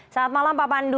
selamat malam pak pandu